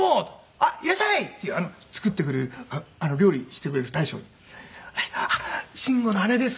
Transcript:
あっいらっしゃい」って作ってくれる料理してくれる大将に「あっ慎吾の姉です。